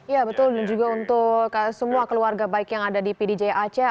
iya betul dan juga untuk semua keluarga baik yang ada di pdj aceh